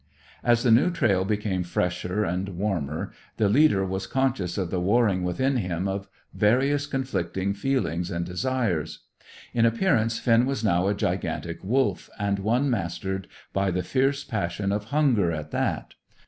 As the new trail became fresher and warmer, the leader was conscious of the warring within him of various conflicting feelings and desires. In appearance Finn was now a gigantic wolf, and one mastered by the fierce passion of hunger, at that.